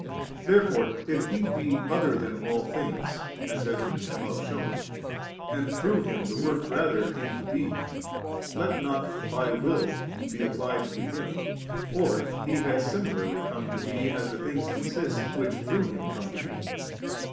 61. Therefore if Hebe other than all things, as has been above shewn % and through Him the works rather came to be, let not * by will ' be applied to Him, or He has similarly come to be as the things consist which through Him come to be.